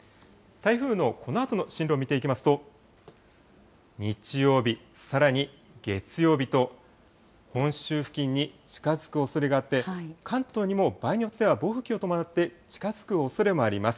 台風のこのあとの進路を見ていきますと、日曜日、さらに月曜日と、本州付近に近づくおそれがあって、関東にも場合によっては暴風域を伴って近づくおそれもあります。